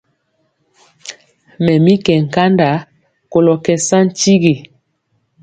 Mɛ mi nkanda kolɔ kɛ saŋ tigi.